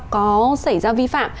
có xảy ra vi phạm